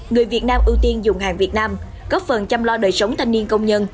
người việt nam ưu tiên dùng hàng việt nam góp phần chăm lo đời sống thanh niên công nhân